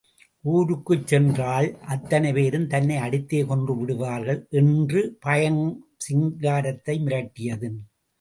ஊருக்குள் சென்றால், அத்தனை பேரும் தன்னை அடித்தே கொன்றுவிடுவார்கள் என்ற பயம் சிங்காரத்தை மிரட்டியது.